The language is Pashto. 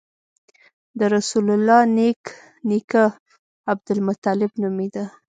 د رسول الله نیکه عبدالمطلب نومېده.